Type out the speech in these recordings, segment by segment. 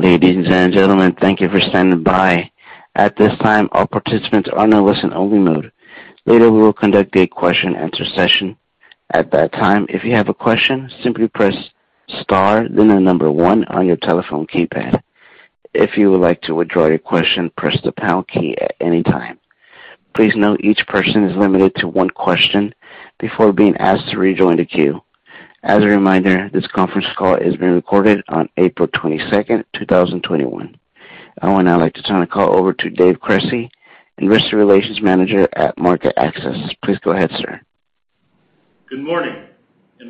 Ladies and gentlemen, thank you for standing by. At this time, all participants are in a listen-only mode. Later, we will conduct a question and answer session. At that time, if you have a question, simply press star, then the number one on your telephone keypad. If you would like to withdraw your question, press the pound key at any time. Please note each person is limited to one question before being asked to rejoin the queue. As a reminder, this conference call is being recorded on April 22nd, 2021. I would now like to turn the call over to Dave Cresci, Investor Relations Manager at MarketAxess. Please go ahead, sir. Good morning.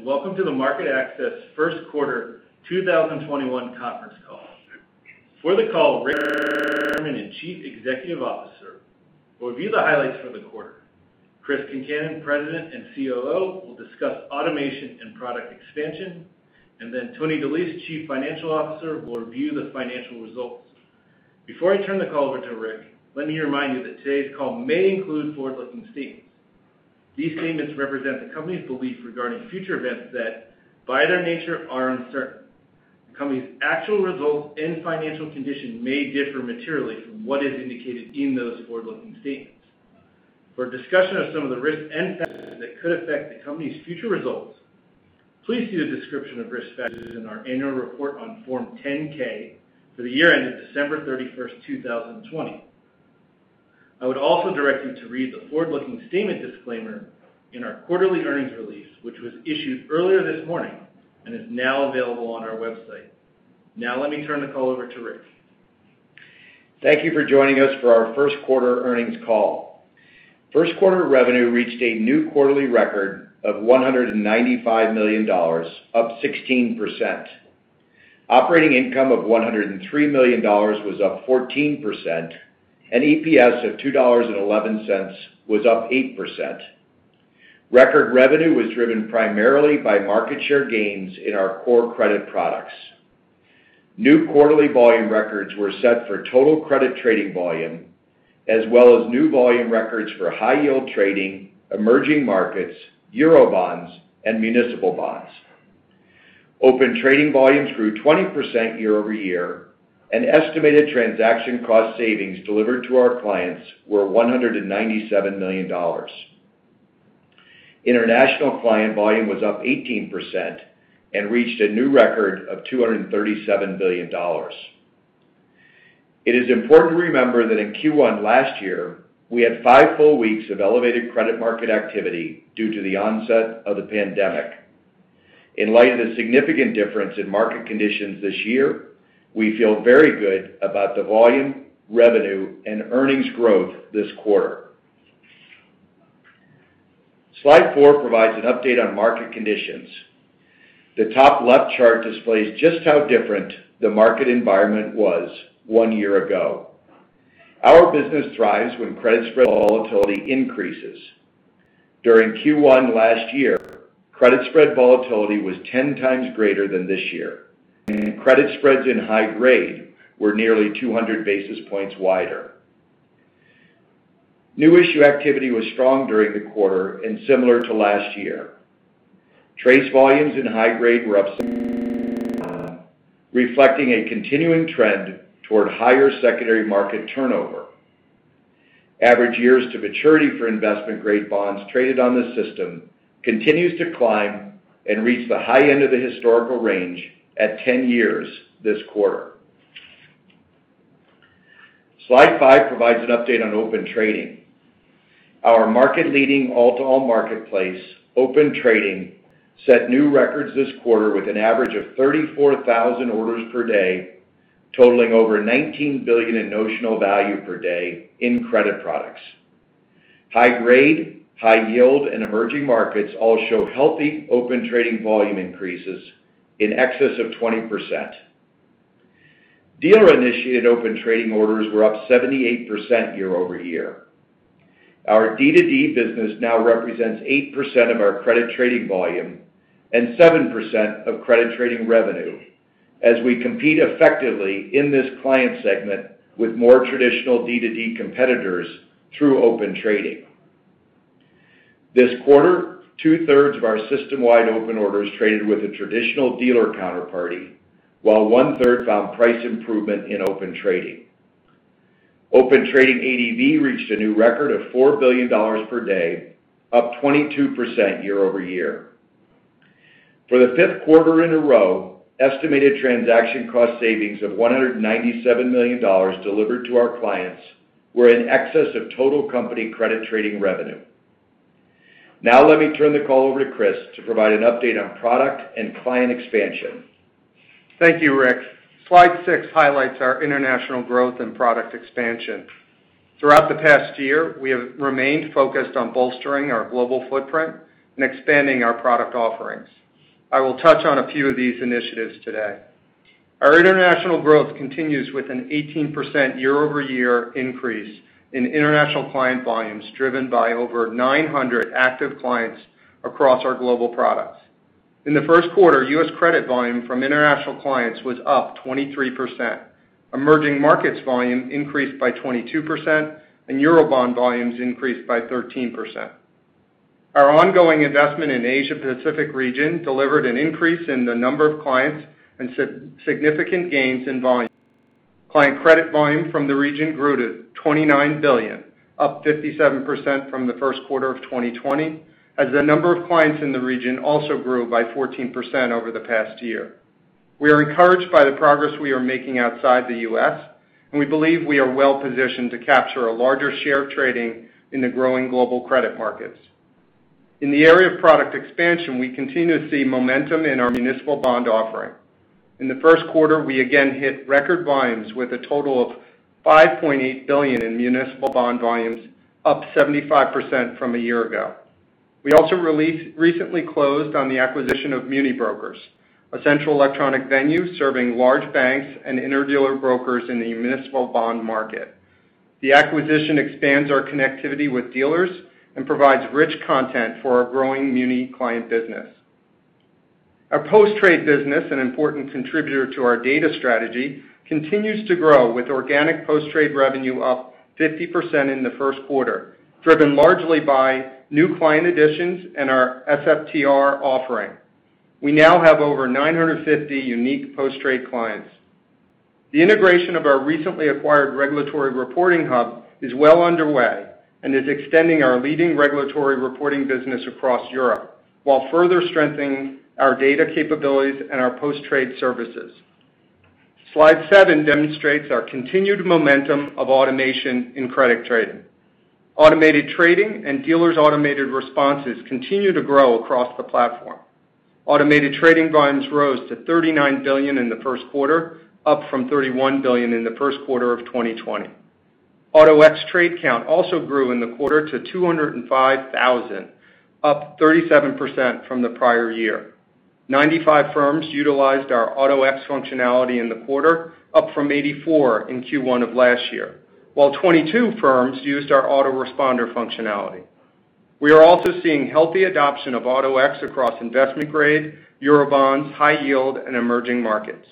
Welcome to the MarketAxess first quarter 2021 conference call. For the call, Richard M. McVey, Chief Executive Officer, will review the highlights for the quarter. Chris Concannon, President and COO, will discuss automation and product expansion. Tony DeLise, Chief Financial Officer, will review the financial results. Before I turn the call over to Rick, let me remind you that today's call may include forward-looking statements. These statements represent the company's belief regarding future events that, by their nature, are uncertain. The company's actual results and financial condition may differ materially from what is indicated in those forward-looking statements. For a discussion of some of the risks and factors that could affect the company's future results, please see the description of risk factors in our annual report on Form 10-K for the year ended December 31st, 2020. I would also direct you to read the forward-looking statement disclaimer in our quarterly earnings release, which was issued earlier this morning and is now available on our website. Now, let me turn the call over to Rick. Thank you for joining us for our first quarter earnings call. First quarter revenue reached a new quarterly record of $195 million, up 16%. Operating income of $103 million was up 14%, and EPS of $2.11 was up 8%. Record revenue was driven primarily by market share gains in our core credit products. New quarterly volume records were set for total credit trading volume, as well as new volume records for high yield trading, Emerging Markets, Eurobonds, and municipal bonds. Open Trading volumes grew 20% year-over-year, and estimated transaction cost savings delivered to our clients were $197 million. International client volume was up 18% and reached a new record of $237 billion. It is important to remember that in Q1 last year, we had five full weeks of elevated credit market activity due to the onset of the pandemic. In light of the significant difference in market conditions this year, we feel very good about the volume, revenue, and earnings growth this quarter. Slide four provides an update on market conditions. The top left chart displays just how different the market environment was one year ago. Our business thrives when credit spread volatility increases. During Q1 last year, credit spread volatility was 10 times greater than this year, and credit spreads in high grade were nearly 200 basis points wider. New issue activity was strong during the quarter and similar to last year. TRACE volumes in high grade were up reflecting a continuing trend toward higher secondary market turnover. Average years to maturity for investment-grade bonds traded on the system continues to climb and reached the high end of the historical range at 10 years this quarter. Slide five provides an update on Open Trading. Our market leading all-to-all marketplace, Open Trading, set new records this quarter with an average of 34,000 orders per day, totaling over $19 billion in notional value per day in credit products. High grade, high yield, and emerging markets all show healthy Open Trading volume increases in excess of 20%. Dealer-initiated Open Trading orders were up 78% year-over-year. Our D2D business now represents 8% of our credit trading volume and 7% of credit trading revenue, as we compete effectively in this client segment with more traditional D2D competitors through Open Trading. This quarter, two-thirds of our system-wide open orders traded with a traditional dealer counterparty, while one-third found price improvement in Open Trading. Open Trading ADV reached a new record of $4 billion per day, up 22% year-over-year. For the fifth quarter in a row, estimated transaction cost savings of $197 million delivered to our clients were in excess of total company credit trading revenue. Let me turn the call over to Chris to provide an update on product and client expansion. Thank you, Rick. Slide six highlights our international growth and product expansion. Throughout the past year, we have remained focused on bolstering our global footprint and expanding our product offerings. I will touch on a few of these initiatives today. Our international growth continues with an 18% year-over-year increase in international client volumes, driven by over 900 active clients across our global products. In the first quarter, U.S. credit volume from international clients was up 23%. Emerging Markets volume increased by 22%, and Eurobond volumes increased by 13%. Our ongoing investment in Asia Pacific region delivered an increase in the number of clients and significant gains in volume. Client credit volume from the region grew to $29 billion, up 57% from the first quarter of 2020, as the number of clients in the region also grew by 14% over the past year. We are encouraged by the progress we are making outside the U.S., and we believe we are well-positioned to capture a larger share of trading in the growing global credit markets. In the area of product expansion, we continue to see momentum in our municipal bond offering. In the first quarter, we again hit record volumes with a total of $5.8 billion in municipal bond volumes, up 75% from a year ago. We also recently closed on the acquisition of MuniBrokers, a central electronic venue serving large banks and interdealer brokers in the municipal bond market. The acquisition expands our connectivity with dealers and provides rich content for our growing muni client business. Our post-trade business, an important contributor to our data strategy, continues to grow with organic post-trade revenue up 50% in the first quarter, driven largely by new client additions and our SFTR offering. We now have over 950 unique post-trade clients. The integration of our recently acquired Regulatory Reporting Hub is well underway and is extending our leading regulatory reporting business across Europe, while further strengthening our data capabilities and our post-trade services. Slide seven demonstrates our continued momentum of automation in credit trading. Automated trading and dealers' automated responses continue to grow across the platform. Automated trading volumes rose to $39 billion in the first quarter, up from $31 billion in the first quarter of 2020. Auto-X trade count also grew in the quarter to 205,000, up 37% from the prior year. 95 firms utilized our Auto-X functionality in the quarter, up from 84 in Q1 of last year, while 22 firms used our auto-responder functionality. We are also seeing healthy adoption of Auto-X across investment-grade, Eurobonds, high-yield, and emerging markets.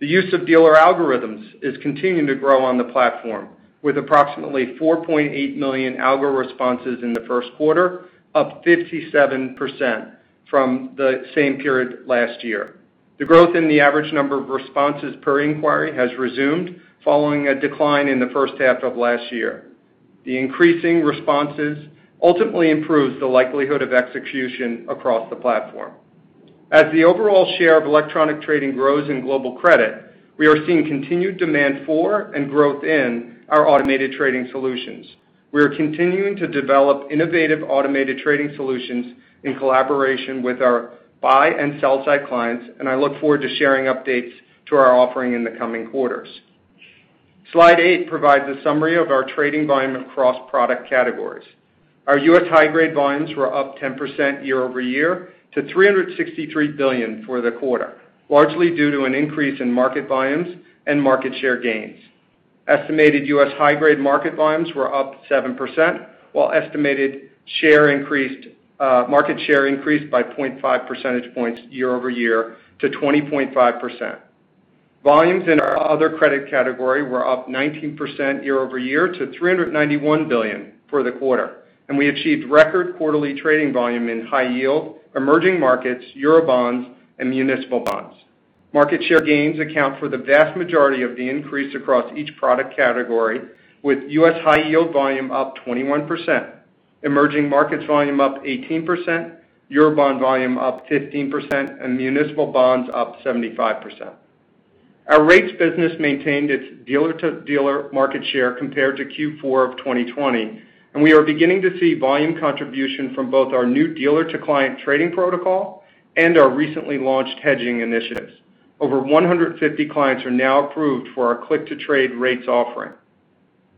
The use of dealer algorithms is continuing to grow on the platform, with approximately 4.8 million algo responses in the first quarter, up 57% from the same period last year. The growth in the average number of responses per inquiry has resumed following a decline in the first half of last year. The increasing responses ultimately improves the likelihood of execution across the platform. As the overall share of electronic trading grows in global credit, we are seeing continued demand for and growth in our automated trading solutions. We are continuing to develop innovative automated trading solutions in collaboration with our buy and sell side clients, and I look forward to sharing updates to our offering in the coming quarters. Slide eight provides a summary of our trading volume across product categories. Our U.S. high-grade volumes were up 10% year-over-year to $363 billion for the quarter, largely due to an increase in market volumes and market share gains. Estimated U.S. high-grade market volumes were up 7%, while estimated market share increased by 0.5 percentage points year-over-year to 20.5%. Volumes in our other credit category were up 19% year over year to $391 billion for the quarter, and we achieved record quarterly trading volume in high-yield, emerging markets, Eurobonds, and municipal bonds. Market share gains account for the vast majority of the increase across each product category, with U.S. high-yield volume up 21%, emerging markets volume up 18%, Eurobond volume up 15%, and municipal bonds up 75%. Our rates business maintained its dealer-to-dealer market share compared to Q4 of 2020, and we are beginning to see volume contribution from both our new dealer-to-client trading protocol and our recently launched hedging initiatives. Over 150 clients are now approved for our Click-to-Trade rates offering.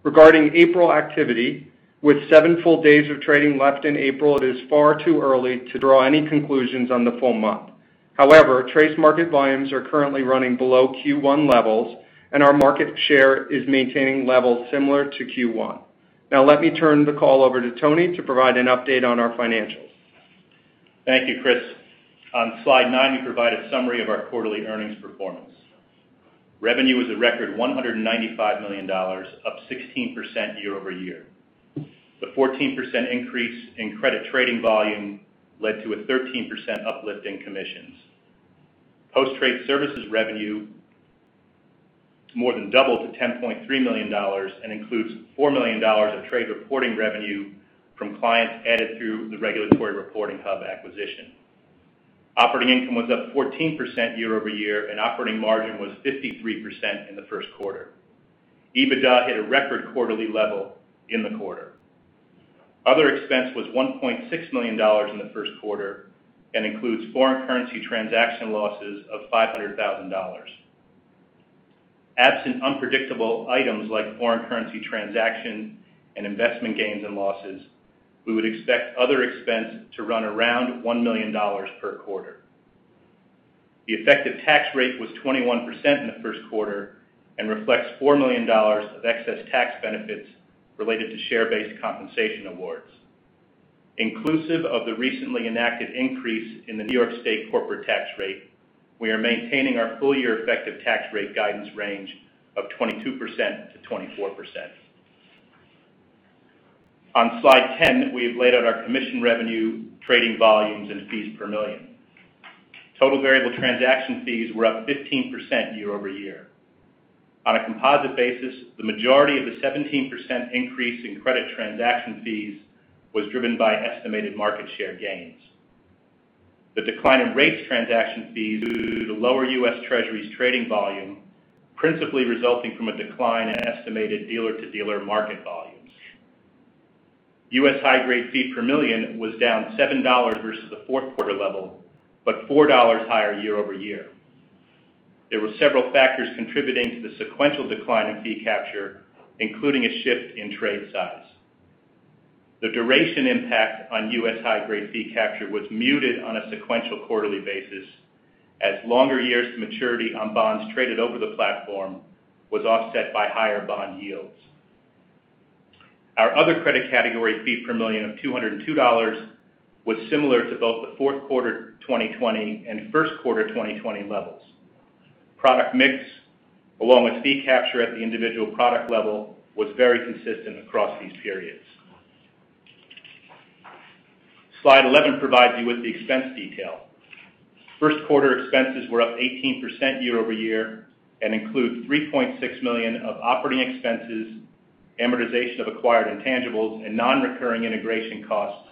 Regarding April activity, with seven full days of trading left in April, it is far too early to draw any conclusions on the full month. However, TRACE market volumes are currently running below Q1 levels, and our market share is maintaining levels similar to Q1. Now, let me turn the call over to Tony to provide an update on our financials. Thank you, Chris. On slide nine, we provide a summary of our quarterly earnings performance. Revenue was a record $195 million, up 16% year-over-year. The 14% increase in credit trading volume led to a 13% uplift in commissions. Post-trade services revenue more than doubled to $10.3 million and includes $4 million of trade reporting revenue from clients added through the regulatory reporting hub acquisition. Operating income was up 14% year-over-year, and operating margin was 53% in the first quarter. EBITDA hit a record quarterly level in the quarter. Other expense was $1.6 million in the first quarter and includes foreign currency transaction losses of $500,000. Absent unpredictable items like foreign currency transaction and investment gains and losses, we would expect other expense to run around $1 million per quarter. The effective tax rate was 21% in the first quarter and reflects $4 million of excess tax benefits related to share-based compensation awards. Inclusive of the recently enacted increase in the New York State corporate tax rate. We are maintaining our full-year effective tax rate guidance range of 22%-24%. On slide 10, we have laid out our commission revenue, trading volumes, and fees per million. Total variable transaction fees were up 15% year-over-year. On a composite basis, the majority of the 17% increase in credit transaction fees was driven by estimated market share gains. The decline in rates transaction fees due to lower U.S. Treasuries trading volume, principally resulting from a decline in estimated dealer-to-dealer market volumes. U.S. high-grade fee per million was down $7 versus the fourth quarter level, but $4 higher year-over-year. There were several factors contributing to the sequential decline in fee capture, including a shift in trade size. The duration impact on U.S. high-grade fee capture was muted on a sequential quarterly basis, as longer years to maturity on bonds traded over the platform was offset by higher bond yields. Our other credit category fee per million of $202 was similar to both the fourth quarter 2020 and first quarter 2020 levels. Product mix, along with fee capture at the individual product level, was very consistent across these periods. Slide 11 provides you with the expense detail. First quarter expenses were up 18% year-over-year and include $3.6 million of operating expenses, amortization of acquired intangibles, and non-recurring integration costs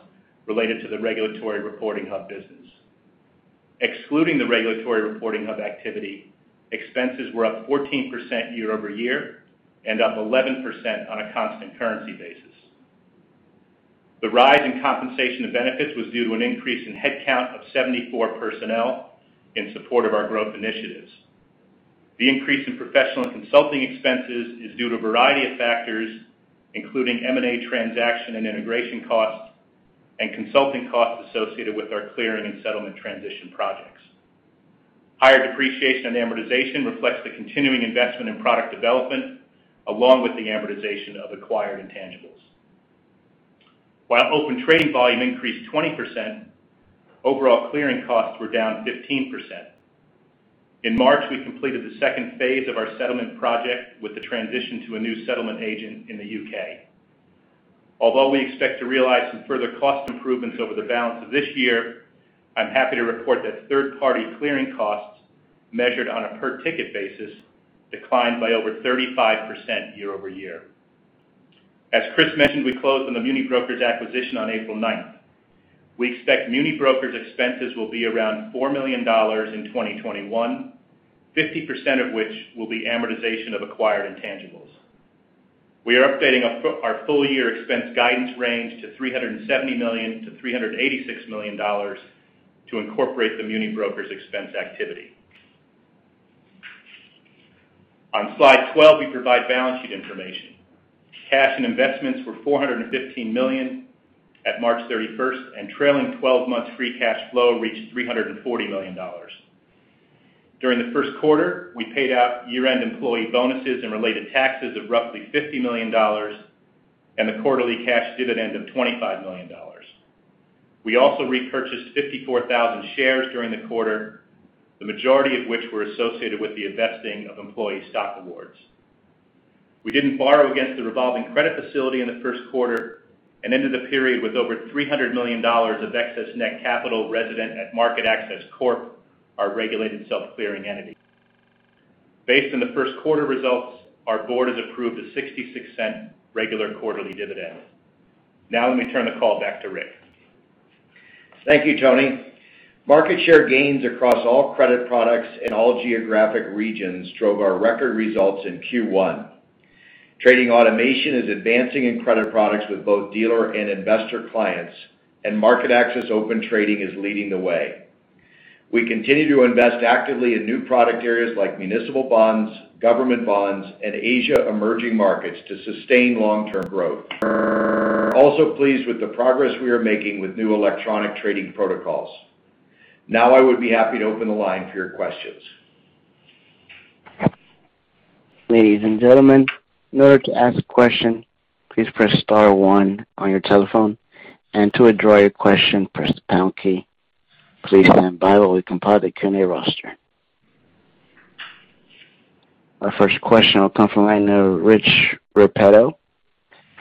related to the regulatory reporting hub business. Excluding the regulatory reporting hub activity, expenses were up 14% year-over-year and up 11% on a constant currency basis. The rise in compensation and benefits was due to an increase in headcount of 74 personnel in support of our growth initiatives. The increase in professional and consulting expenses is due to a variety of factors, including M&A transaction and integration costs and consulting costs associated with our clearing and settlement transition projects. Higher depreciation and amortization reflects the continuing investment in product development, along with the amortization of acquired intangibles. While Open Trading volume increased 20%, overall clearing costs were down 15%. In March, we completed the second phase of our settlement project with the transition to a new settlement agent in the U.K. Although we expect to realize some further cost improvements over the balance of this year, I'm happy to report that third-party clearing costs, measured on a per-ticket basis, declined by over 35% year-over-year. As Chris mentioned, we closed on the MuniBrokers acquisition on April 9th. We expect MuniBrokers expenses will be around $4 million in 2021, 50% of which will be amortization of acquired intangibles. We are updating our full-year expense guidance range to $370 million to $386 million to incorporate the MuniBrokers expense activity. On slide 12, we provide balance sheet information. Cash and investments were $415 million at March 31st, and trailing 12 months free cash flow reached $340 million. During the first quarter, we paid out year-end employee bonuses and related taxes of roughly $50 million and the quarterly cash dividend of $25 million. We also repurchased 54,000 shares during the quarter, the majority of which were associated with the vesting of employee stock awards. We didn't borrow against the revolving credit facility in the first quarter and ended the period with over $300 million of excess net capital resident at MarketAxess Corp., our regulated self-clearing entity. Based on the first quarter results, our Board has approved a $0.66 regular quarterly dividend. Let me turn the call back to Rick. Thank you, Tony. Market share gains across all credit products in all geographic regions drove our record results in Q1. Trading automation is advancing in credit products with both dealer and investor clients, and MarketAxess Open Trading is leading the way. We continue to invest actively in new product areas like municipal bonds, government bonds, and Asia emerging markets to sustain long-term growth. We're also pleased with the progress we are making with new electronic trading protocols. Now I would be happy to open the line for your questions. Our first question will come from Rich Repetto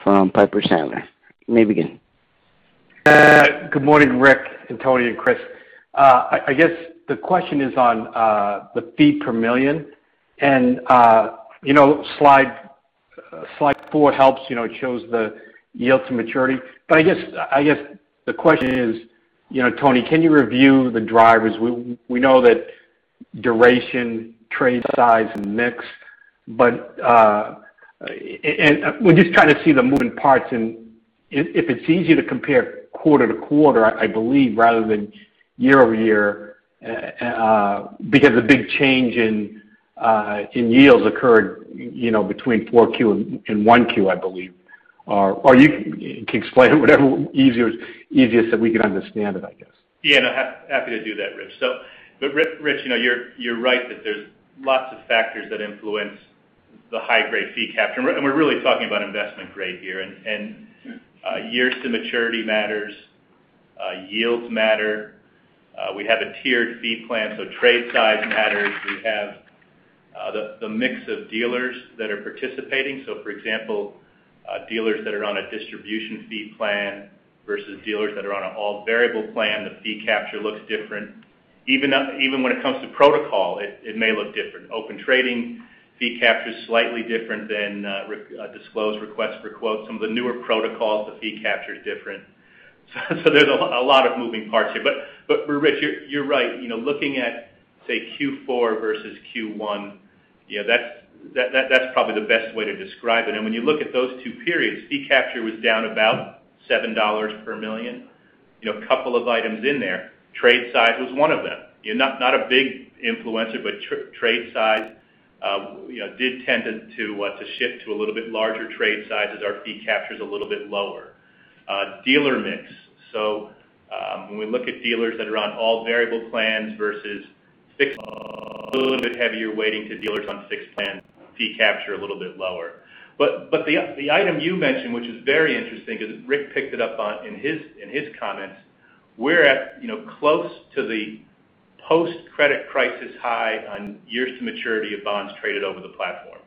from Piper Sandler. You may begin. Good morning, Richard and Tony and Chris. I guess the question is on the fee per million. Slide four helps. It shows the yield to maturity. I guess the question is, Tony, can you review the drivers? We know that duration, trade size, and mix. We're just trying to see the moving parts and if it's easier to compare quarter-to-quarter, I believe, rather than year-over-year, because a big change in yields occurred between four Q and one Q, I believe. You can explain it, whatever easiest that we can understand it, I guess. Yeah, no, happy to do that, Rich. Rich, you're right that there's lots of factors that influence the high-grade fee capture, and we're really talking about investment grade here. Years to maturity matters. Yields matter. We have a tiered fee plan, so trade size matters. We have the mix of dealers that are participating. For example, dealers that are on a distribution fee plan versus dealers that are on an all-variable plan, the fee capture looks different. Even when it comes to protocol, it may look different. Open Trading fee capture is slightly different than disclose requests for quotes. Some of the newer protocols, the fee capture is different. There's a lot of moving parts here. Rick, you're right. Looking at, say, Q4 versus Q1, that's probably the best way to describe it. When you look at those two periods, fee capture was down about $7 per million. A couple of items in there. Trade size was one of them. Not a big influencer, but trade size did tend to shift to a little bit larger trade size as our fee capture is a little bit lower. Dealer mix. When we look at dealers that are on all-variable plans versus fixed, a little bit heavier weighting to dealers on fixed plan, fee capture a little bit lower. The item you mentioned, which is very interesting, because Rick picked it up in his comments, we're at close to the post-credit crisis high on years to maturity of bonds traded over the platform.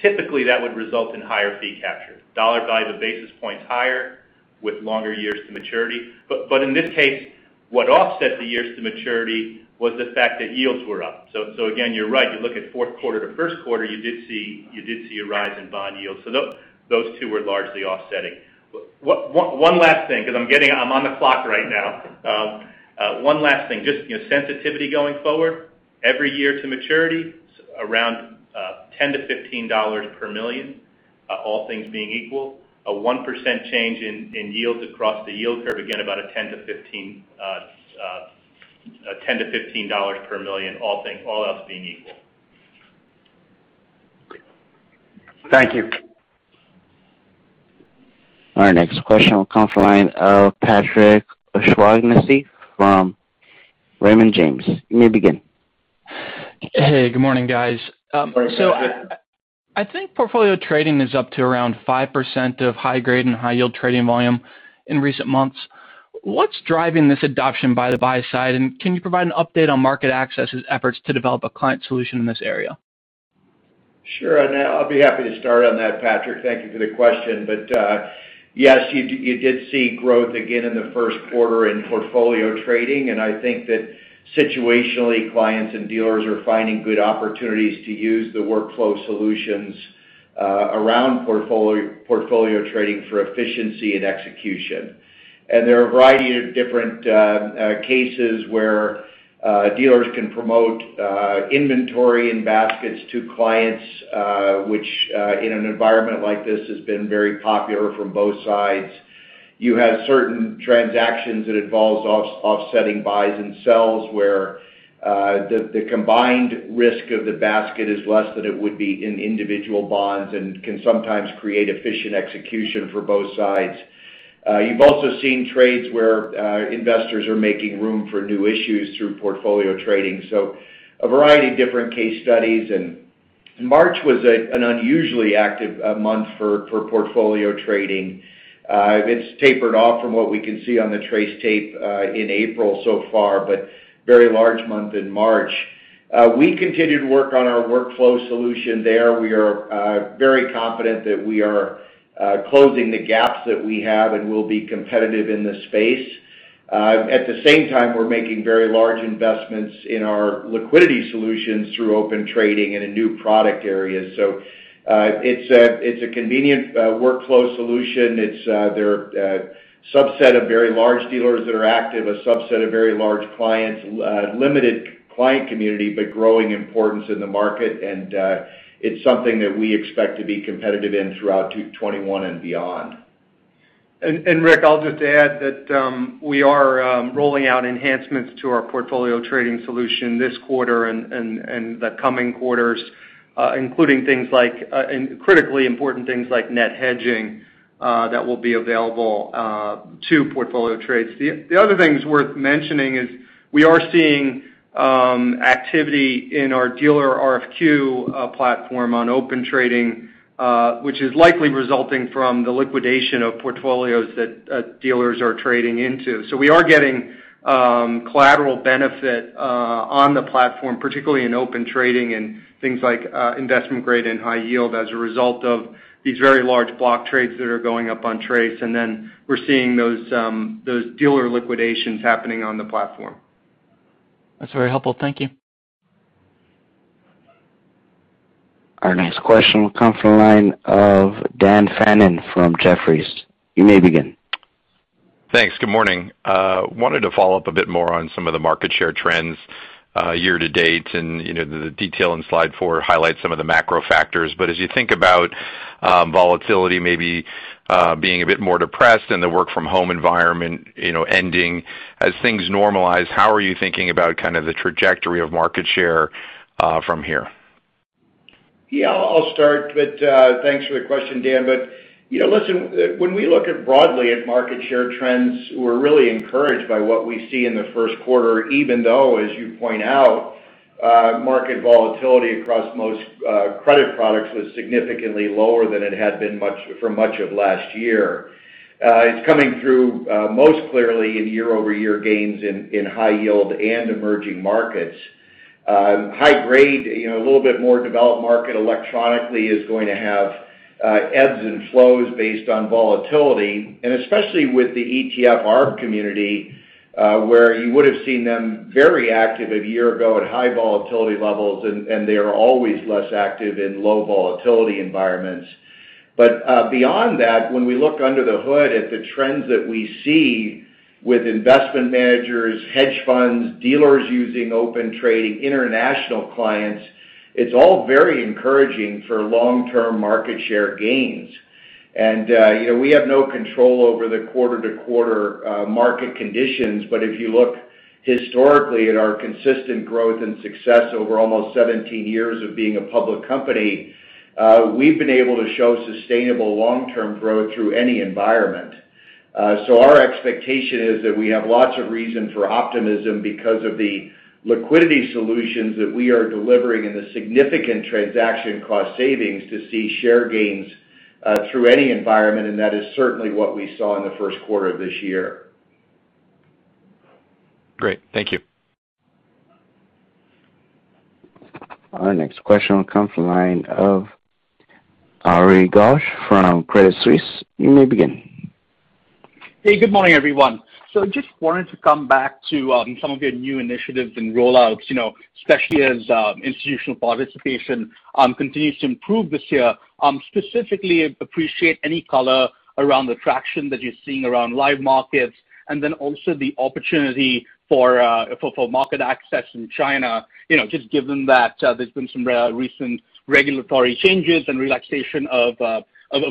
Typically, that would result in higher fee capture. Dollar value of basis points higher with longer years to maturity. In this case, what offset the years to maturity was the fact that yields were up. Again, you're right. You look at fourth quarter to first quarter, you did see a rise in bond yields. Those two were largely offsetting. One last thing, because I'm on the clock right now. One last thing, just sensitivity going forward, every year to maturity, around $10-$15 per million, all things being equal. A 1% change in yields across the yield curve, again, about $10-$15 per million, all else being equal. Thank you. Our next question will come from the line of Patrick O'Shaughnessy from Raymond James. You may begin. Hey, good morning, guys. Morning, Patrick. I think portfolio trading is up to around 5% of high-grade and high-yield trading volume in recent months. What's driving this adoption by the buy side, and can you provide an update on MarketAxess' efforts to develop a client solution in this area? Sure, I'll be happy to start on that, Patrick. Thank you for the question. Yes, you did see growth again in the first quarter in portfolio trading, and I think that situationally, clients and dealers are finding good opportunities to use the workflow solutions around portfolio trading for efficiency and execution. There are a variety of different cases where dealers can promote inventory and baskets to clients, which, in an environment like this, has been very popular from both sides. You have certain transactions that involves offsetting buys and sells, where the combined risk of the basket is less than it would be in individual bonds and can sometimes create efficient execution for both sides. You've also seen trades where investors are making room for new issues through portfolio trading. A variety of different case studies. March was an unusually active month for portfolio trading. It's tapered off from what we can see on the TRACE tape in April so far, but very large month in March. We continue to work on our workflow solution there. We are very confident that we are closing the gaps that we have and will be competitive in this space. At the same time, we're making very large investments in our liquidity solutions through Open Trading in a new product area. It's a convenient workflow solution. They're a subset of very large dealers that are active, a subset of very large clients, limited client community, but growing importance in the market, and it's something that we expect to be competitive in throughout 2021 and beyond. Rick, I'll just add that we are rolling out enhancements to our portfolio trading solution this quarter and the coming quarters, including critically important things like net hedging, that will be available to portfolio trades. The other thing that's worth mentioning is we are seeing activity in our Dealer RFQ platform on Open Trading, which is likely resulting from the liquidation of portfolios that dealers are trading into. We are getting collateral benefit on the platform, particularly in Open Trading and things like investment grade and high yield as a result of these very large block trades that are going up on TRACE. Then we're seeing those dealer liquidations happening on the platform. That's very helpful. Thank you. Our next question will come from the line of Dan Fannon from Jefferies. You may begin. Thanks. Good morning. I wanted to follow up a bit more on some of the market share trends year to date. The detail in slide four highlights some of the macro factors. As you think about volatility maybe being a bit more depressed and the work from home environment ending, as things normalize, how are you thinking about kind of the trajectory of market share from here? Yeah, I'll start. Thanks for the question, Dan. Listen, when we look broadly at market share trends, we're really encouraged by what we see in the first quarter, even though, as you point out. Market volatility across most credit products was significantly lower than it had been for much of last year. It's coming through most clearly in year-over-year gains in high yield and emerging markets. High grade, a little bit more developed market electronically is going to have ebbs and flows based on volatility, and especially with the ETF Arb community, where you would've seen them very active a year ago at high volatility levels, and they are always less active in low volatility environments. Beyond that, when we look under the hood at the trends that we see with investment managers, hedge funds, dealers using Open Trading, international clients, it's all very encouraging for long-term market share gains. We have no control over the quarter-to-quarter market conditions, but if you look historically at our consistent growth and success over almost 17 years of being a public company, we've been able to show sustainable long-term growth through any environment. Our expectation is that we have lots of reason for optimism because of the liquidity solutions that we are delivering and the significant transaction cost savings to see share gains, through any environment, and that is certainly what we saw in the first quarter of this year. Great. Thank you. Our next question will come from the line of Ari Ghosh from Credit Suisse. You may begin. Hey, good morning, everyone. Just wanted to come back to some of your new initiatives and roll-outs, especially as institutional participation continues to improve this year. Specifically, appreciate any color around the traction that you're seeing around Live Markets, and then also the opportunity for MarketAxess in China. Just given that there's been some recent regulatory changes and relaxation of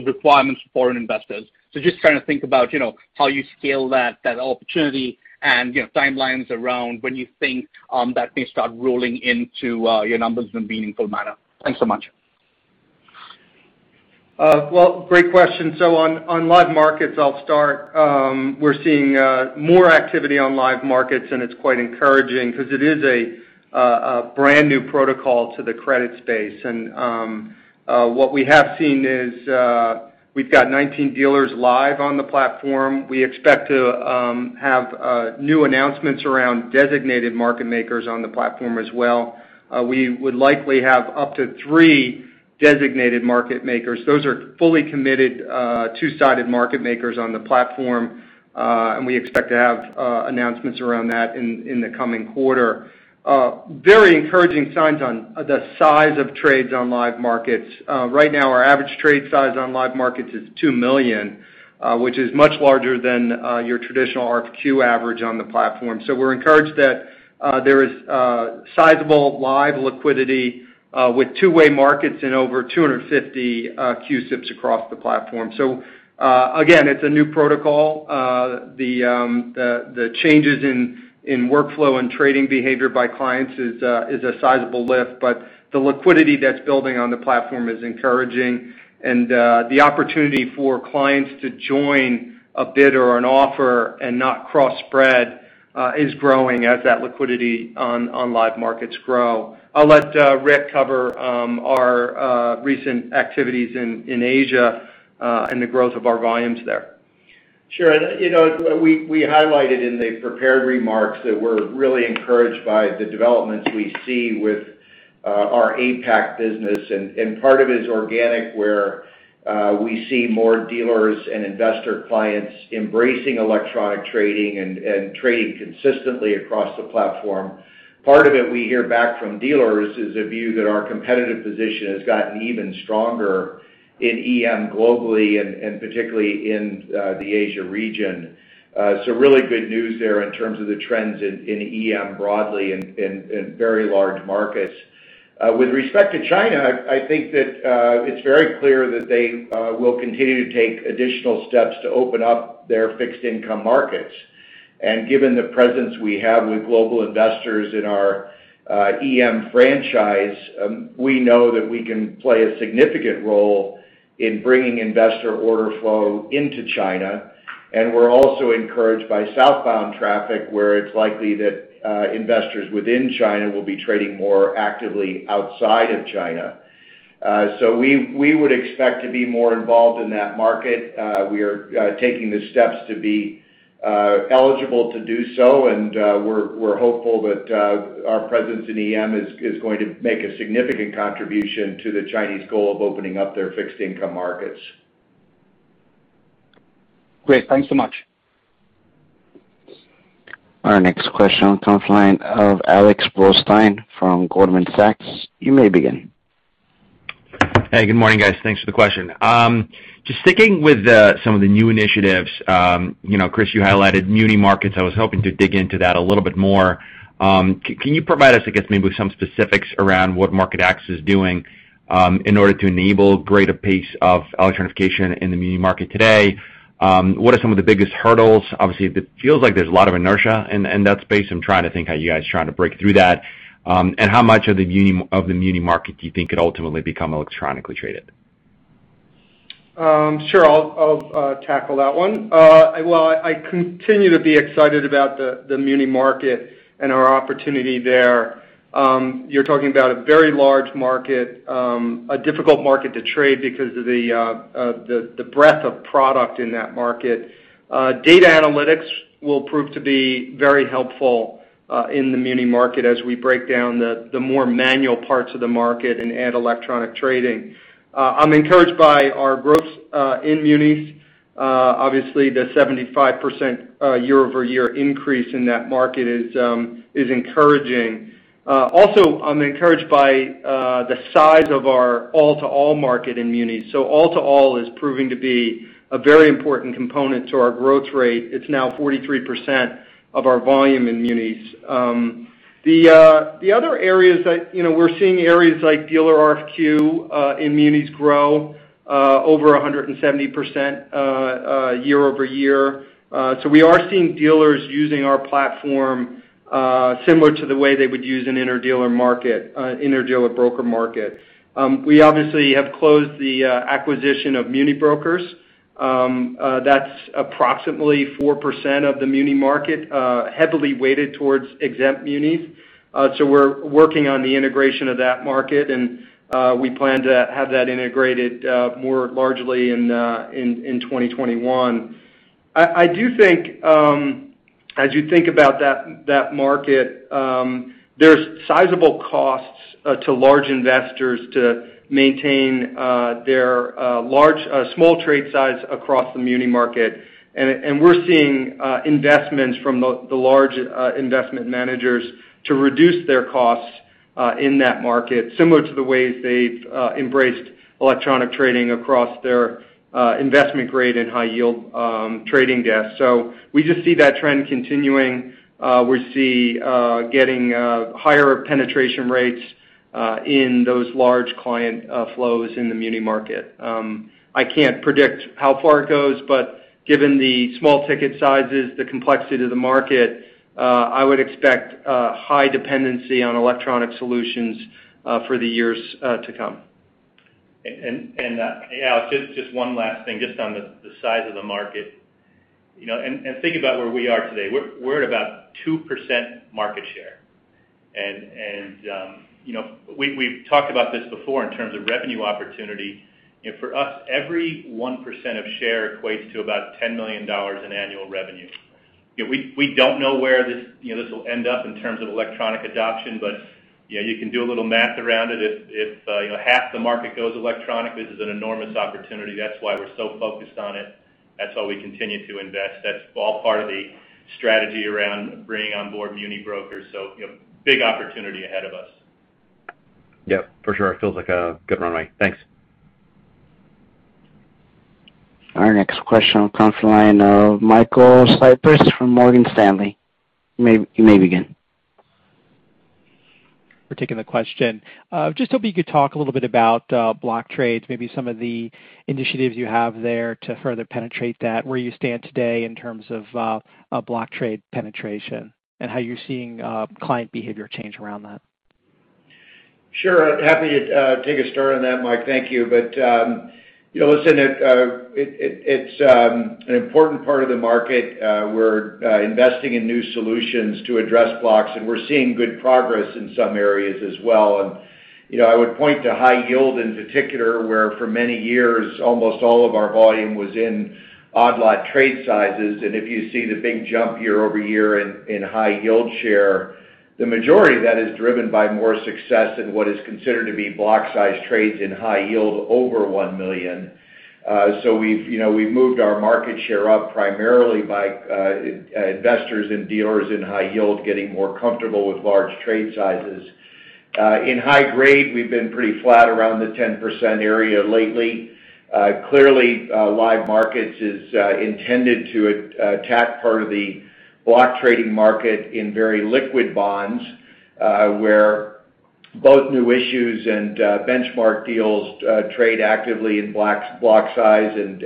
requirements for foreign investors. Just trying to think about how you scale that opportunity and timelines around when you think that may start rolling into your numbers in a meaningful manner. Thanks so much. Well, great question. On Live Markets, I'll start. We're seeing more activity on Live Markets, and it's quite encouraging because it is a brand-new protocol to the credit space. What we have seen is, we've got 19 dealers live on the platform. We expect to have new announcements around designated market makers on the platform as well. We would likely have up to three designated market makers. Those are fully committed two-sided market makers on the platform. We expect to have announcements around that in the coming quarter. Very encouraging signs on the size of trades on Live Markets. Right now, our average trade size on Live Markets is $2 million, which is much larger than your traditional RFQ average on the platform. We're encouraged that there is sizable live liquidity with two-way markets in over 250 CUSIPs across the platform. Again, it's a new protocol. The changes in workflow and trading behavior by clients is a sizable lift, but the liquidity that's building on the platform is encouraging. The opportunity for clients to join a bid or an offer and not cross-spread is growing as that liquidity on Live Markets grow. I'll let Rick cover our recent activities in Asia, and the growth of our volumes there. Sure. We highlighted in the prepared remarks that we're really encouraged by the developments we see with our APAC business, and part of it is organic, where we see more dealers and investor clients embracing electronic trading and trading consistently across the platform. Part of it, we hear back from dealers, is a view that our competitive position has gotten even stronger in EM globally and particularly in the Asia region. Really good news there in terms of the trends in EM broadly and very large markets. With respect to China, I think that it's very clear that they will continue to take additional steps to open up their fixed income markets. Given the presence we have with global investors in our EM franchise, we know that we can play a significant role in bringing investor order flow into China. We're also encouraged by southbound traffic, where it's likely that investors within China will be trading more actively outside of China. We would expect to be more involved in that market. We are taking the steps to be eligible to do so, and we're hopeful that our presence in EM is going to make a significant contribution to the Chinese goal of opening up their fixed income markets. Great. Thanks so much. Our next question comes line of Alex Blostein from Goldman Sachs. You may begin. Hey, good morning, guys. Thanks for the question. Just sticking with some of the new initiatives, Chris, you highlighted muni markets. I was hoping to dig into that a little bit more. Can you provide us, I guess, maybe with some specifics around what MarketAxess is doing in order to enable greater pace of electronification in the muni market today? What are some of the biggest hurdles? Obviously, it feels like there's a lot of inertia in that space. I'm trying to think how you guys are trying to break through that. How much of the muni market do you think could ultimately become electronically traded? Sure. I'll tackle that one. Well, I continue to be excited about the muni market and our opportunity there. You're talking about a very large market, a difficult market to trade because of the breadth of product in that market. Data analytics will prove to be very helpful in the muni market as we break down the more manual parts of the market and add electronic trading. I'm encouraged by our growth in munis. Obviously, the 75% year-over-year increase in that market is encouraging. Also, I'm encouraged by the size of our all-to-all market in munis. All-to-all is proving to be a very important component to our growth rate. It's now 43% of our volume in munis. The other areas we're seeing areas like Dealer RFQ in munis grow over 170% year-over-year. We are seeing dealers using our platform similar to the way they would use an inter-dealer broker market. We obviously have closed the acquisition of MuniBrokers. That's approximately 4% of the muni market, heavily weighted towards exempt munis. We're working on the integration of that market, and we plan to have that integrated more largely in 2021. I do think, as you think about that market, there's sizable costs to large investors to maintain their small trade size across the muni market. We're seeing investments from the large investment managers to reduce their costs in that market, similar to the ways they've embraced electronic trading across their investment-grade and high-yield trading desks. We just see that trend continuing. We see getting higher penetration rates in those large client flows in the muni market. I can't predict how far it goes, but given the small ticket sizes, the complexity of the market, I would expect high dependency on electronic solutions for the years to come. Alex Blostein, just one last thing, just on the size of the market. Think about where we are today. We're at about 2% market share. We've talked about this before in terms of revenue opportunity. For us, every 1% of share equates to about $10 million in annual revenue. We don't know where this will end up in terms of electronic adoption, but you can do a little math around it. If half the market goes electronic, this is an enormous opportunity. That's why we're so focused on it. That's why we continue to invest. That's all part of the strategy around bringing on board MuniBrokers. Big opportunity ahead of us. Yep, for sure. It feels like a good runway. Thanks. Our next question comes from the line of Michael Cyprys from Morgan Stanley. You may begin. For taking the question. Just hoping you could talk a little bit about block trades, maybe some of the initiatives you have there to further penetrate that, where you stand today in terms of block trade penetration, and how you're seeing client behavior change around that. Sure. Happy to take a start on that, Michael Cyprys. Thank you. Listen, it's an important part of the market. We're investing in new solutions to address blocks, and we're seeing good progress in some areas as well. I would point to high yield in particular, where for many years, almost all of our volume was in odd-lot trade sizes. If you see the big jump year-over-year in high-yield share, the majority of that is driven by more success in what is considered to be block-sized trades in high yield over $1 million. We've moved our market share up primarily by investors and dealers in high yield getting more comfortable with large trade sizes. In high grade, we've been pretty flat around the 10% area lately. Clearly, Live Markets is intended to attack part of the block trading market in very liquid bonds, where both new issues and benchmark deals trade actively in block size and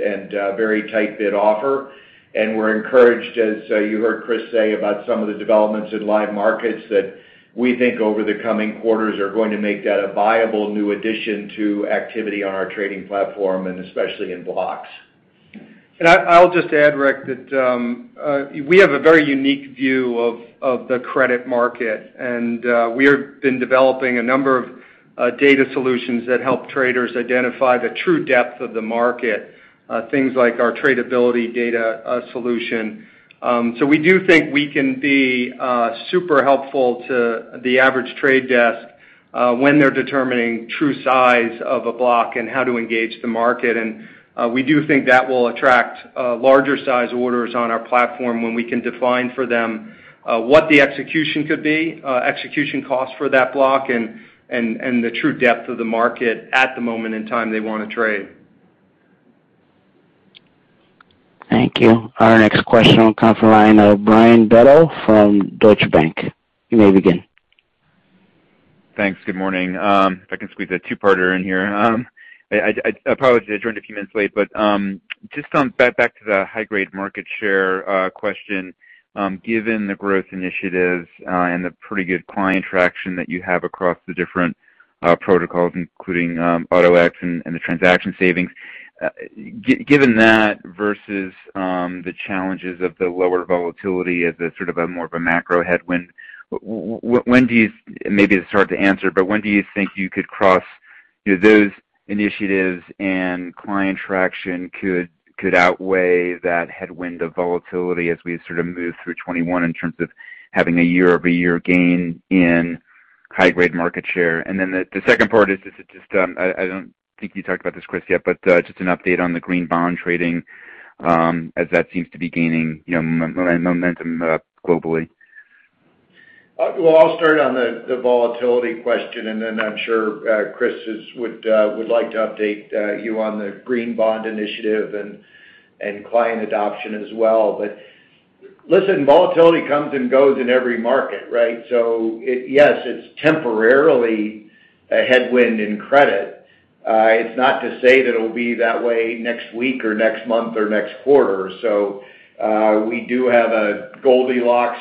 very tight bid offer. We're encouraged, as you heard Chris say, about some of the developments in Live Markets that we think over the coming quarters are going to make that a viable new addition to activity on our trading platform, and especially in blocks. I'll just add, Rick, that we have a very unique view of the credit market, and we have been developing a number of data solutions that help traders identify the true depth of the market, things like our Tradability data solution. We do think we can be super helpful to the average trade desk when they're determining true size of a block and how to engage the market. We do think that will attract larger size orders on our platform when we can define for them what the execution could be, execution costs for that block, and the true depth of the market at the moment in time they want to trade. Thank you. Our next question will come from the line of Brian Bedell from Deutsche Bank. You may begin. Thanks. Good morning. If I can squeeze a two-parter in here. I apologize, I joined a few minutes late. Just back to the high-grade market share question. Given the growth initiatives and the pretty good client traction that you have across the different protocols, including Auto-X and the transaction savings, given that versus the challenges of the lower volatility as a more of a macro headwind, maybe it's hard to answer, but when do you think you could cross those initiatives and client traction could outweigh that headwind of volatility as we move through 2021 in terms of having a year-over-year gain in high-grade market share? The second part is just, I don't think you talked about this, Chris Concannon, yet but just an update on the green bond trading, as that seems to be gaining momentum globally. I'll start on the volatility question, and then I'm sure Chris would like to update you on the green bond initiative and client adoption as well. Listen, volatility comes and goes in every market, right? Yes, it's temporarily a headwind in credit. It's not to say that it'll be that way next week or next month or next quarter. We do have a Goldilocks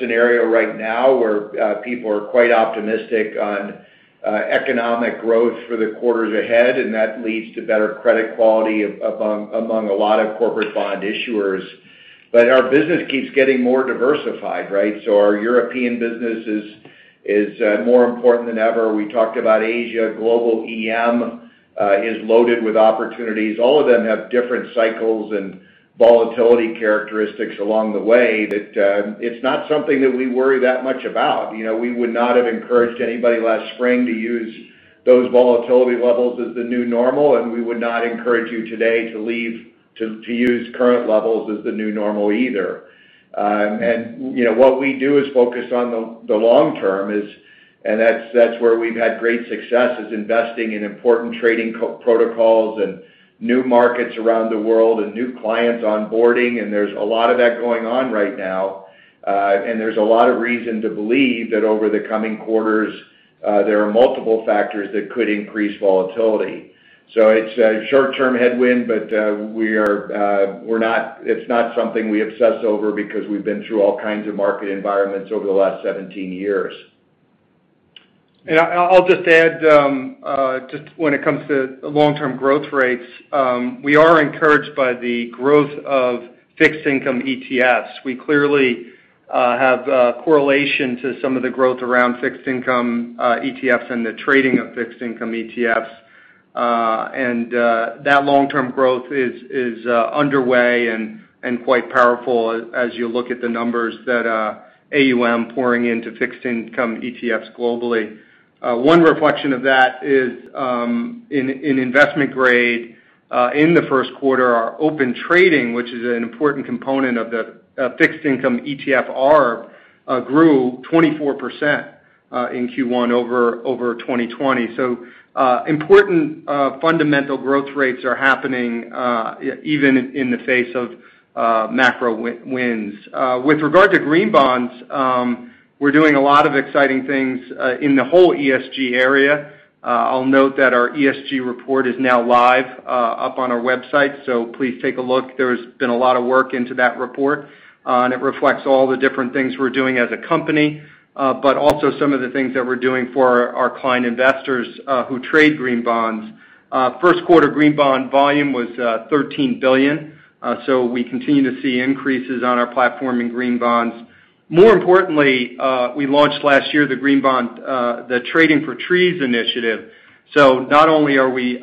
scenario right now where people are quite optimistic on economic growth for the quarters ahead, and that leads to better credit quality among a lot of corporate bond issuers. Our business keeps getting more diversified, right? Our European business is more important than ever. We talked about Asia. Global EM is loaded with opportunities. All of them have different cycles and volatility characteristics along the way that it's not something that we worry that much about. We would not have encouraged anybody last spring to use those volatility levels as the new normal, and we would not encourage you today to use current levels as the new normal either. What we do is focus on the long term, and that's where we've had great success, is investing in important trading protocols and new markets around the world and new clients onboarding. There's a lot of that going on right now. There's a lot of reason to believe that over the coming quarters, there are multiple factors that could increase volatility. It's a short-term headwind, but it's not something we obsess over because we've been through all kinds of market environments over the last 17 years. I'll just add, just when it comes to long-term growth rates, we are encouraged by the growth of fixed income ETFs. We clearly have correlation to some of the growth around fixed income ETFs and the trading of fixed income ETFs. That long-term growth is underway and quite powerful as you look at the numbers that AUM pouring into fixed income ETFs globally. One reflection of that is in investment grade, in the first quarter, our Open Trading, which is an important component of the fixed income ETF ARB, grew 24% in Q1 over 2020. Important fundamental growth rates are happening even in the face of macro headwinds. With regard to green bonds, we're doing a lot of exciting things in the whole ESG area. I'll note that our ESG report is now live up on our website, please take a look. There's been a lot of work into that report. It reflects all the different things we're doing as a company, but also some of the things that we're doing for our client investors who trade green bonds. First quarter green bond volume was $13 billion. We continue to see increases on our platform in green bonds. More importantly, we launched last year the green bond, the Trading for Trees initiative. Not only are we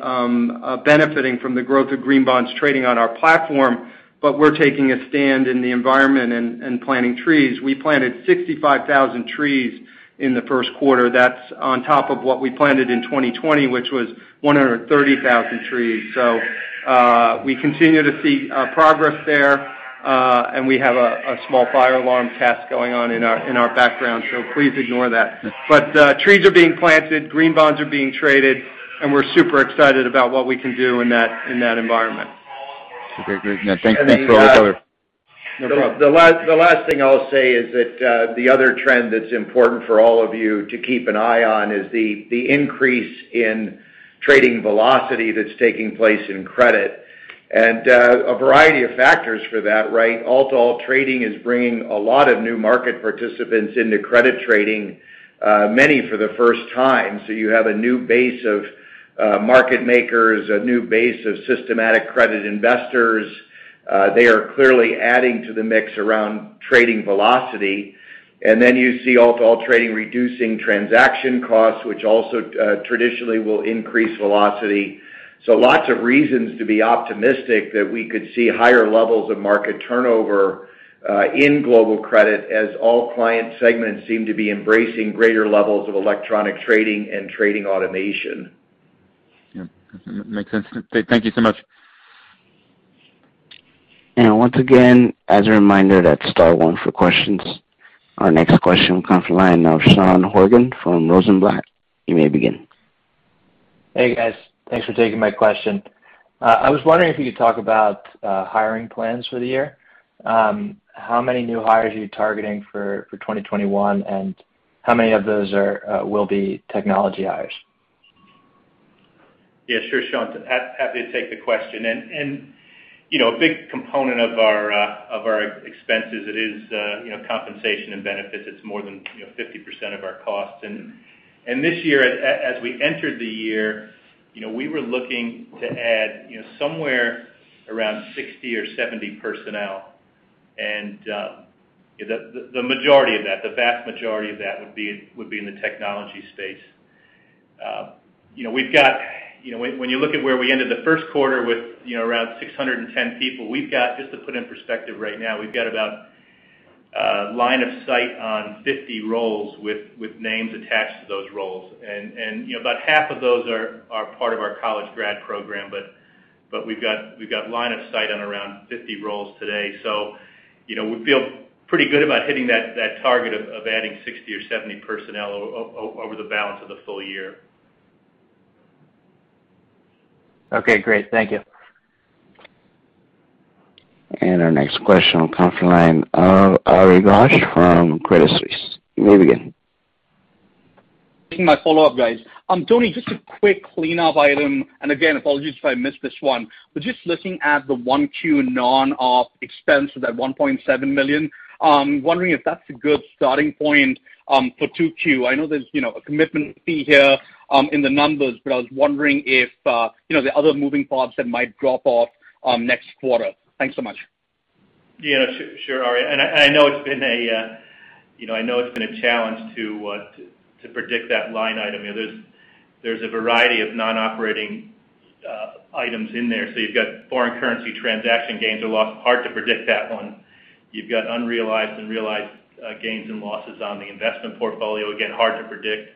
benefiting from the growth of green bonds trading on our platform, but we're taking a stand in the environment and planting trees. We planted 65,000 trees in the first quarter. That's on top of what we planted in 2020, which was 130,000 trees. We continue to see progress there. We have a small fire alarm test going on in our background, so please ignore that. Trees are being planted, green bonds are being traded, and we're super excited about what we can do in that environment. Okay, great. No, thanks for all the color. No problem. The last thing I'll say is that the other trend that's important for all of you to keep an eye on is the increase in trading velocity that's taking place in credit, and a variety of factors for that, right? all-to-all trading is bringing a lot of new market participants into credit trading, many for the first time. You have a new base of market makers, a new base of systematic credit investors. They are clearly adding to the mix around trading velocity. You see all-to-all trading reducing transaction costs, which also traditionally will increase velocity. Lots of reasons to be optimistic that we could see higher levels of market turnover in global credit as all client segments seem to be embracing greater levels of electronic trading and trading automation. Yep. Makes sense. Thank you so much. Once again, as a reminder, that's star one for questions. Our next question will come from the line of Sean Horgan from Rosenblatt. You may begin. Hey, guys. Thanks for taking my question. I was wondering if you could talk about hiring plans for the year. How many new hires are you targeting for 2021, and how many of those will be technology hires? Yeah, sure, Sean. Happy to take the question. A big component of our expenses, it is compensation and benefits. It's more than 50% of our costs. This year, as we entered the year, we were looking to add somewhere around 60 or 70 personnel. The vast majority of that would be in the technology space. When you look at where we ended the first quarter with around 610 people, just to put in perspective right now, we've got about line of sight on 50 roles with names attached to those roles. About half of those are part of our college grad program, but we've got line of sight on around 50 roles today. We feel pretty good about hitting that target of adding 60 or 70 personnel over the balance of the full year. Okay, great. Thank you. Our next question will come from the line of Ari Ghosh from Credit Suisse. You may begin. Taking my follow-up, guys. Tony, just a quick cleanup item, again, apologies if I missed this one, but just looking at the 1Q non-op expense of that $1.7 million, I'm wondering if that's a good starting point for 2Q? I know there's a commitment fee here in the numbers, but I was wondering if there are other moving parts that might drop off next quarter? Thanks so much. Yeah, sure, Ari. I know it's been a challenge to predict that line item. There's a variety of non-operating items in there. You've got foreign currency transaction gains or loss. Hard to predict that one. You've got unrealized and realized gains and losses on the investment portfolio. Again, hard to predict.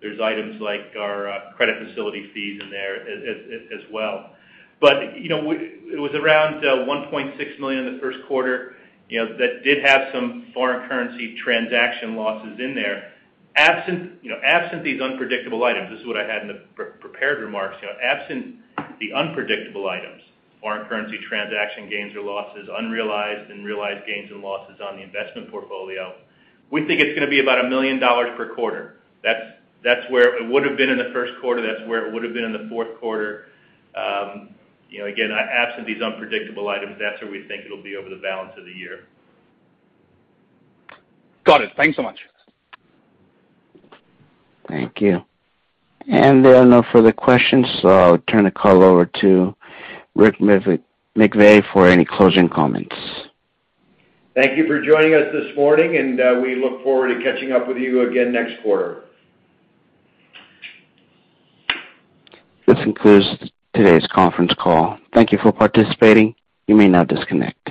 There's items like our credit facility fees in there as well. It was around $1.6 million in the first quarter. That did have some foreign currency transaction losses in there. Absent these unpredictable items, this is what I had in the prepared remarks. Absent the unpredictable items, foreign currency transaction gains or losses, unrealized and realized gains and losses on the investment portfolio, we think it's going to be about $1 million per quarter. That's where it would've been in the first quarter. That's where it would've been in the fourth quarter. Absent these unpredictable items, that's where we think it'll be over the balance of the year. Got it. Thanks so much. Thank you. There are no further questions, so I'll turn the call over to Rick McVey for any closing comments. Thank you for joining us this morning, and we look forward to catching up with you again next quarter. This concludes today's conference call. Thank you for participating. You may now disconnect.